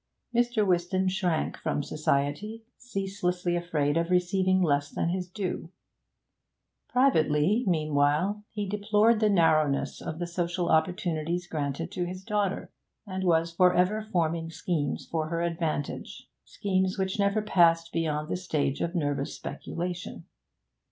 Mr. Whiston shrank from society, ceaselessly afraid of receiving less than his due; privately, meanwhile, he deplored the narrowness of the social opportunities granted to his daughter, and was for ever forming schemes for her advantage schemes which never passed beyond the stage of nervous speculation.